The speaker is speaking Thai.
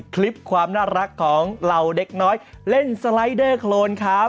คลิปความน่ารักของเหล่าเด็กน้อยเล่นสไลด์เดอร์โครนครับ